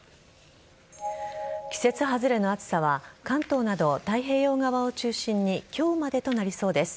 季節外れの暑さは関東など太平洋側を中心に今日までとなりそうです。